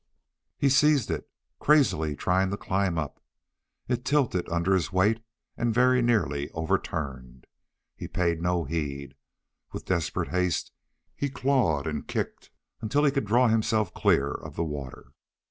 He seized it, crazily trying to climb up. It tilted under his weight and very nearly overturned. He paid no heed. With desperate haste he clawed and kicked until he could draw himself clear of the water.